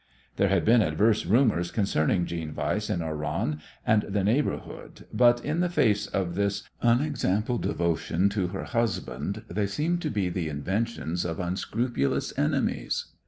There had been adverse rumours concerning Jeanne Weiss in Oran and the neighbourhood, but in the face of this unexampled devotion to her husband they seemed to be the inventions of unscrupulous enemies.